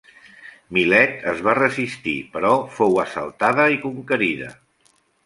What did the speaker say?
Milet es va resistir però fou assaltada i conquerida.